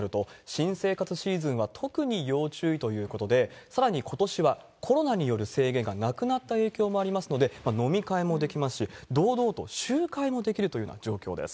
新生活シーズンは特に要注意ということで、さらにことしはコロナによる制限がなくなった影響もありますので、飲み会もできますし、堂々と集会もできるというような状況です。